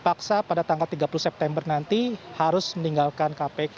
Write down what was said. karena mereka juga mengatakan bahwa pada tiga puluh september nanti harus meninggalkan kpk